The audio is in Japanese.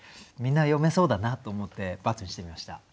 みんな詠めそうだなと思って×にしてみました。